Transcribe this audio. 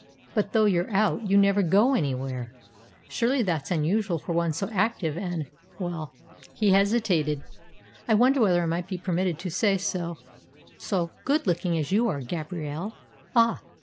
"But though you're out, you never go anywhere. Surely that's unusual for one so active and well" he hesitated "I wonder whether I might be permitted to say so so good looking as you are, Gabrielle." "Ah!"